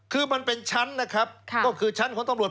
คือมันเป็นชั้นนะครับก็คือชั้นของตำรวจ